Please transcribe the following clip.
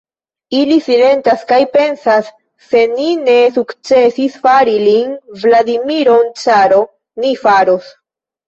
Ili silentas kaj pensas: se ni ne sukcesis fari lin, Vladimiron, caro, ni faros.